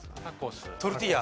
トルティーヤ？